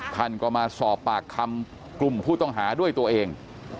ท่านก็มาสอบปากคำกลุ่มผู้ต้องหาด้วยตัวเอง